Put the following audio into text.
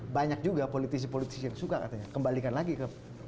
banyak juga politisi politisi yang suka katanya kembalikan lagi ke